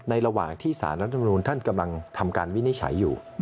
ระหว่างที่สารรัฐมนูลท่านกำลังทำการวินิจฉัยอยู่